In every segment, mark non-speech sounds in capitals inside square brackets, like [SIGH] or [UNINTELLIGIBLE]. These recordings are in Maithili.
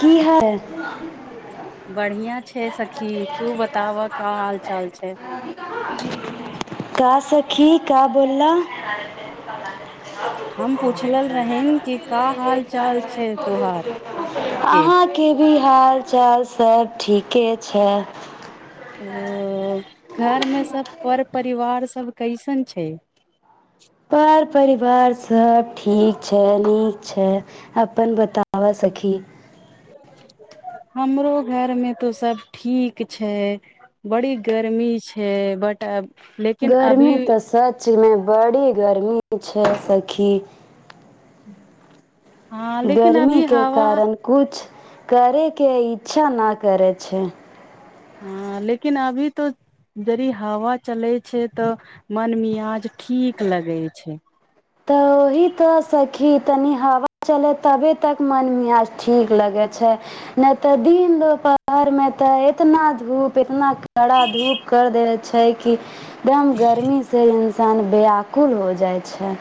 की हाल ए बढ़ियां छै सखी तू बताब का हाल चाल छै का सखी का बोला हम पुछलल रहिन कि का हाल चाल छै तोहार के अहाँके भी हाल चाल सब ठीके छै है घर में सब पर परिवार सब कैसन छै [INAUDIBLE] पर परिवार सब ठीक छै नीक छै अपन बताबऽ सखी हमरो घरमे तऽ सब ठीक छै बड़ी गर्मी छै बड अब लेकिन अभी गर्मी तस सच मे बड़ी गर्मी छै सखी हँ लेकिन अभी गर्मीके हवा कारण कुछ करे के इच्छा न करै छै हँ लेकिन अभी तो यदि हवा चलैत छै तऽ मन मियज ठीक लगै छै तऽहि तऽ सखी तनि हवा चले तबे तक मन मिियाज ठीक लगे छै ने तऽ दिन दुपहर मे ते इतना धूप एतना कड़ा धूप कर दे छै कि एकदम गर्मी से सन व्याकुल हो जाइ छै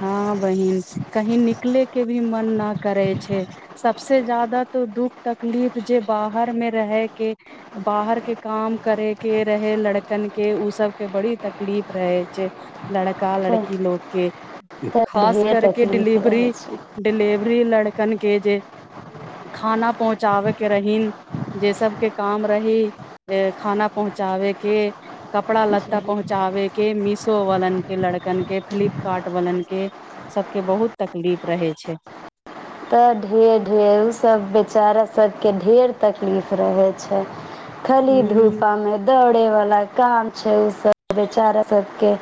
हँ बहिन कही निकले के भी मन न करे छै सबसे जादा तो दुःख तकलीफ जे बाहर मे रहे के बाहर के काम करे के रहे लड़कन के ओ सबके बड़ी तकलीफ रहे छै लड़का लड़की लोक के तऽ खास ढेर करके तकलीफ रहै डिलिवरी छै डिलिवरी लड़कन के जे खाना पहुँचाबे के रहहिन जे सबके काम रही खाना पहुँचाबे के कपड़ा लत्ता जी पहुँचाबे के मिस तो वलन के लड़कन के फ्लिपकार्ट पवलन के सबके बहुत तकलीफ रहै छै तऽ ढेर ढेर ओसभ बेचारा सभके ढेर तकलीफ रहै छै खाली धूपा हूँ में दौड़े वला काम छै ओ सब बेचारा सबके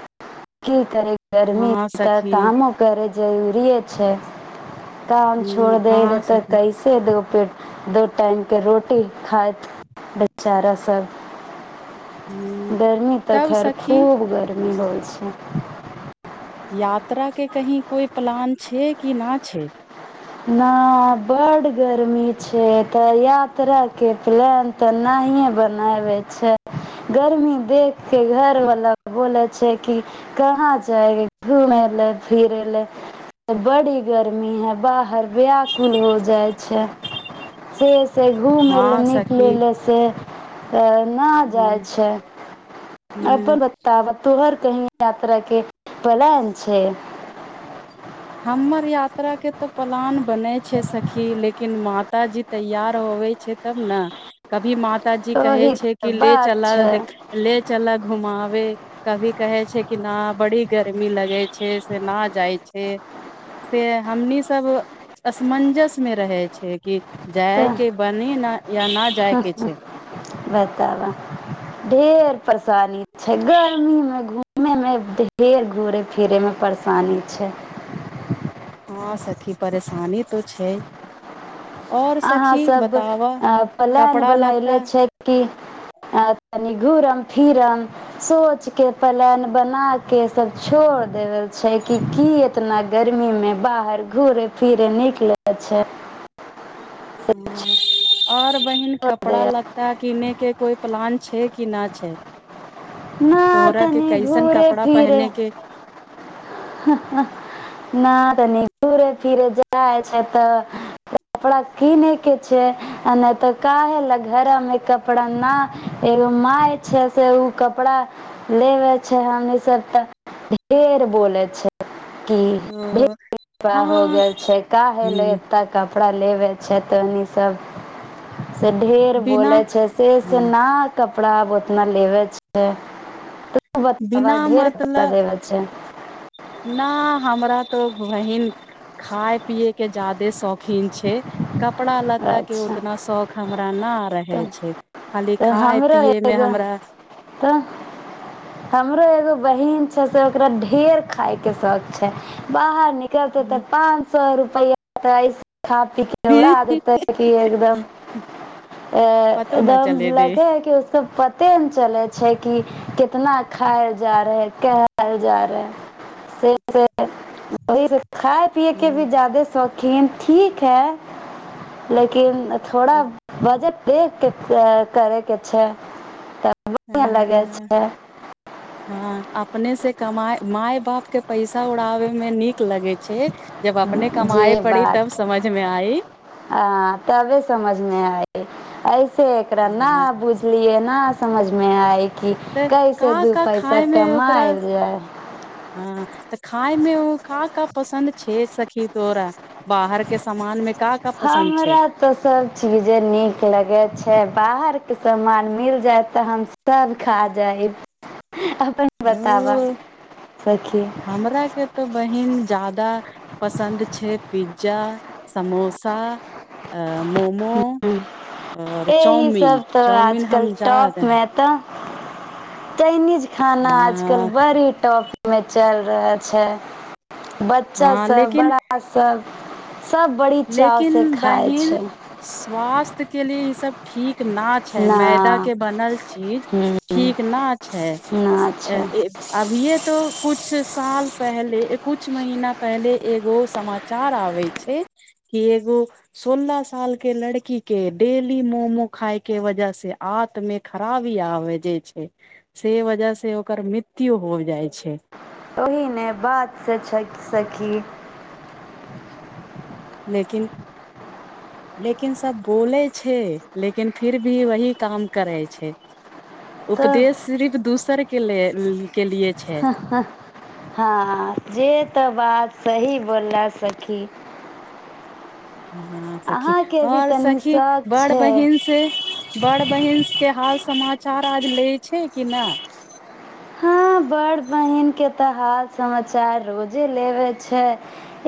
की करे गर्मी हँ त सखी कामो करै जरूरिे छै काम छोड़ हूँ देब हँ तऽ सखी कैसे दो पेट द टाइमके रोटी खाइत बेचारा सब हूँ [UNINTELLIGIBLE] गर्मी तऽ तब खैर सखी खूब गर्मी मुन हो छै यात्राके कहीं कोइ प्लान छै कि ना छै न बड गर्मी छै तऽ यात्रा के प्लान तऽ नहिे बनाबे छै गर्मी देख के घरवला बोले छै कि कहाँ जायगे घूमे ल फिरे ले बड़ी गर्मी है बाहर व्याकुल हो जाइ छै से [UNINTELLIGIBLE] छै घूम ऐलै हँ निक ले सखी ले से [INAUDIBLE] न जाय हूँ छै हूँ अपन बताब तोहर कही यात्रा के पलान छै [UNINTELLIGIBLE] हमर यात्रा के तऽ पलान बनै छै सखी लेकिन मा माताजी तैयार होवे छै तब ने कभी मात पिताजी कहे ओही छै तऽ कि ले बात चल छै ले चला घुमाबे कभी कहे छै कि न बड़ी गर्मी लगे छै से न जाइ छै से हमनी सब असमंजस मे रहै छै कि जाय के बनी न या न जाय तऽ के छै बताबऽ ढेर फ गांधी छै गर्मीमे घूम घुमेयमे के ओते घुरय फिरैमे परेशानी छै हँ सखी परेशानी तऽ छै और अहाँ सखी सब बताबऽ प्लान कपड़ा बनैले लत्ता छै कि तनी घुरम फिरम सोच के प्लान बना क सब छोड़ देेबल छै कि की इतना गर्मीमे बाहर घुरे फिरे निकलै छै ह और बहिन कपड़ा लत्ता किने के कोई प्लान छै किी न छै तोहरा के नातनी कैसन घूुरे कपड़ा फिरे पहने के नत तनि घूरे फिरे जाय छै तऽ कपड़ा किने के छै आ नहि तऽ काहे ल घर मे कपड़ा न एगो मााय छै से ओ [UNINTELLIGIBLE] कपड़ा लेबे छै हमनी सब तऽ ढेर बोले छै कि अ कृपा हो हँ गेल छै का हले ए क कपड़ा लेबै छै तऽनि सब से ढेर बिना बोले छै से से न क कपड़ा बहुतना लेबे छै आ ओ बता बिना ढेर कपरा मतलब लेवै छै [UNINTELLIGIBLE] न हमरा तो बहिन खााय पिय के जादा त शौकीन छै कपड़ा लत्ता के अच्छा उतना शौख हमरा न रहे तऽ छै खाली तऽ खाय हमरो पियए मे एगो हमरा तऽ हमरो एगो बहिन छै से ओकरा ढेर खााय के शौक छै बाहर न करतौ तऽ पाँच सौ रुपैया खा पी के उरा देतै कि एकदम अ पतो न एकदम चले दे लगे है कि उक पते न चलै छै कि कितना खायल जा रहे कहल जा रहे से खाए पियए के भी जायदे सौख लिन ठीक है लेकिन थोड़ा वजट देख के प्यार करै कि छै तऽ लगे ह छै हँ अपने से कमाय माय बाप के पैसा उड़ाबे मे नीक लगे छै जब अपने जे कमाए पड़ी तब बात समझ मे आई ह तबे समझमे आइ आइ से एकरा ने हँ बुझलियए ने समझमे क तऽ कैसे का दू का पैसा खाय मे ओकरा कमायल जाय हँ तऽ खाय मे खा का पसन्द छे सखी तोरा बाहर के समान मे का का पसन्द छै हमरा तऽ सभ चीजे नीक लगैत छै बाहर के समान मिल जायत तऽ हम सब खा जायब अपन बताबा ओ सखी हमरा के तऽ बहिन जादा पसन्द छै पिज्जा समोसा आ मोम एहि सब तऽ चाउमिन हम आजकल जाद टॉप मे तऽ चाइनीज [UNINTELLIGIBLE] खाना आजकल हँ बड़ी टॉप में चल रहै छै बच्चा हँ सब लेकिन बड़ा सब सब बड़ी चावसँ लेकिन खाइ बहिन छै स्वास्थ्य के लिए ई सब ठीक न छै मैदा ना के बनल चीज ठीक न छै ना छै अभिये तो कुछ साल पहले कुछ महीना पहले एगो समाचार आबे छै कि एगो सोलह साल के लड़की के डेली मोमो खााय के वजह से आतमे खराबी आब जाे छै से वजह से ओकर मृत्यु हो जाइ छै ओहि ने बातसँ छै सखी लेकिन लेकिन सब बोलै छै लेकिन फिर भी वही काम करै छै तऽ उपदेश सिर्फ दूसर के ले के लिए छै हँ जे तऽ बात सही बोलऽ सखी हँ सखी अहाँके भी और तनी सखी शौक बड़ छै बहिन से बड़ बहिन क्य हाल समाचार आज भै छै कि नहि हँ बड़ बहिनके तऽ हाल समाचार रोजे लेबे छै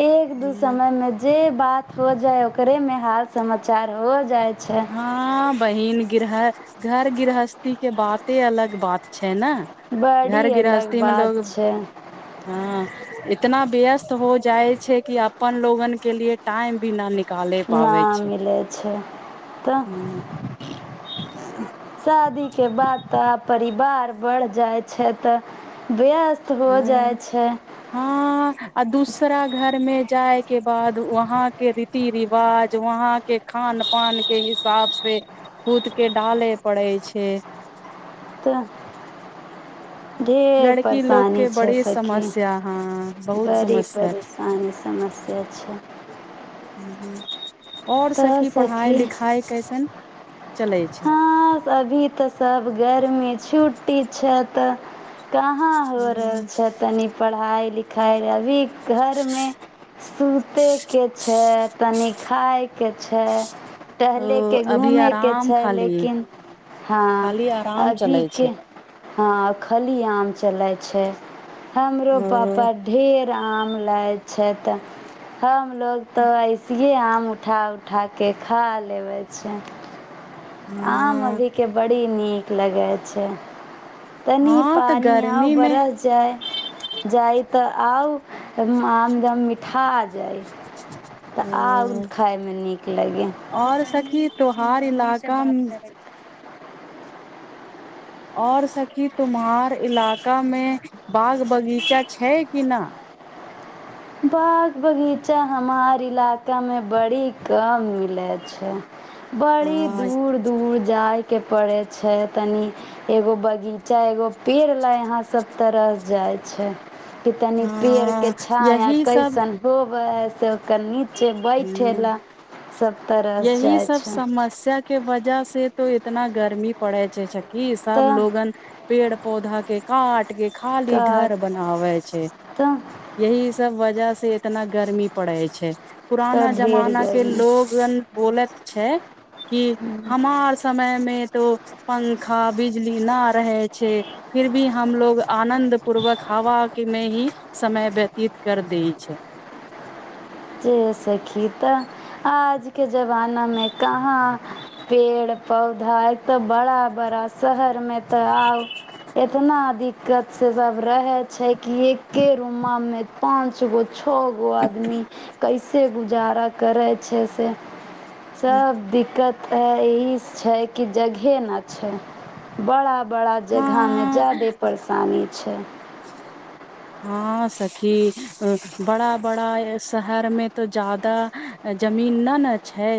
एक दू हूँ समयमे जे बात हो जाय ओकरे मे हाल समाचार हो जाय छै हँ बहिन गृह घर गृहस्थी के बाते अलग बात छै ने बड़ी घर अलग गृहस्थी मे लोग बात छै हँ इतना व्यस्त हो जाय छै कि अपन लोगन के लिए टाइम भी न निक नहि मिलै छै तऽ हूँ शादी के बाद तऽ परिवार ब जाइ छै तऽ व्यस्त हो हूँ जाइ छै हँ आ दूसरा घर मे जाय के बाद वहां के रीति रिवाज वहां के खान पान के हिसाब से खुद के ढ़िले पड़े छै तऽ ढेर लड़की लोग परेशानी के छै बड़ी सखी समस्या हँ बहुत बड़ी समस्या परेशानी समस्या छै हू आओर सखी पढ़ाइ लिखाइ कैसन चलै छै हँ अभी तऽ सबके गरमी छुटी छै तऽ कहाँ हो रहल छै तनि पढ़ाई लिख खााय लभी घर मे सुते के छै तनि खायके छै ओ टहले के अभी घूमे के आराम खाली लेकिन हँ खाली आराम अभी चलै के छै हँ खली आम चले छै छै हमरो ओ पापा ढेर आम लैत छै तऽ हमलोग तो ऐसे जे आम उठा उठाके खा लेबै छै हँ आम अभी के बड़ी नीक लगै छै तनी हँ तऽ पानि गर्मी आब मे बरस जाय जाइत तऽ आउ त आमदम मिठाजइ तऽ आउर खायमे नीक लगै और सखी तोहार इलाका और सखी तुम्हहार इलाकामे बाग बगीचा छै कि नहि बाग बगीचा हमार इलाकामे बड़ी कम मिलैत छै बड़ी हँ दूर दूर जाइ के पड़े छै तनी एगो बगीचा एगो पेड़ लै अहा सब तरल जाय छै कि तनी पेर के हँ छाया यही सब ऐसन भुख वस ह सब तरस यही जाय सब छै समस्या के वजह से त इतना गर्मी पड़े छै कि सब तऽ लोगन पेट पौधाके काट के खाली घर काट बनाबै छै तऽ यही सब वजह से से इतना गर्मी पड़ै छै तऽ पुराना ढेर जमाना के गर्मी लोगन बोलत छै कि हमार समय मे तो पंखा बिजली न रहै छै फिर भी हमलोग आनंन्द पूर्वक हवा के में ही समय व्यत चित कर दै छै ए सखीता आज के जमाना में कहाँ पेड़ पौधा एक तऽ बड़ा बड़ा शहर मे तऽ आउ ए इतना दिक्कत से सब रहे छै कि एके रूमा मे पांच गो छओ गो आदमी कैसे गुजारा करै छै से सब दिक्कत त इ छै कि जगहे ने छै बड़ा बड़ा जगह में हँ जादे परेशानी छै हँ सखी बड़ा बड़ा शहर मे तऽ जादा जमीन नहि ने छै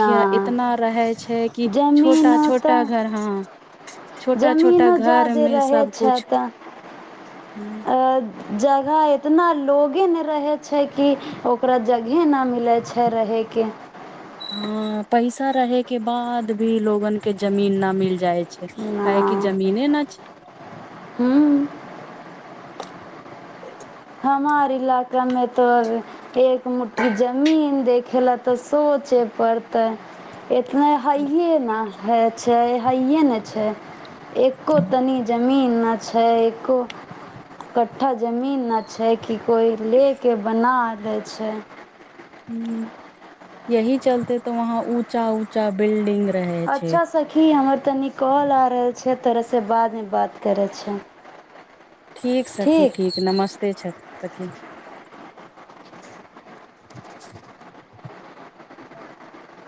ना इतना रहै छै कि छोटा जमीनो छोटा तऽ घर हाँ जमीनो जेदे रहै सब छै कुछ तऽ अ जगह एतना ना लोगे न रहै छै कि ओकरा जग हे न मिलै छै रहैके हँ पैसा रहे के बाद भी लोगन के जमीन ना मिल जाय छै काहे नहि जमीने न छै हमार इलाकामे तऽ एक मुट्ठी जमीन देखै लए तऽ सोचे पड़तै इतना हइ न ह छै हइए ने छै एको तनी जमीन न छ एक क्ठा जमीन छै कि कोइ लेके बना दै छै ह यही चलते तऽ वहाँ ऊँचा ऊँचा बिल्डिंग रहे छै अच्छा सखी हमर तनी काॅल आ रहल छै तोराससँ बादमे बात करै छौ ठीक सखी ठीक नमस्त छथि ती [UNINTELLIGIBLE] [INAUDIBLE]